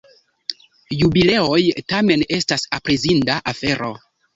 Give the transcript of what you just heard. Jubileoj, tamen, estas aprezinda afero.